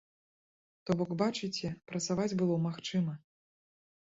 То бок, бачыце, працаваць было магчыма.